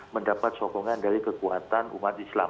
mendapat sokongan dari kekuatan umat islam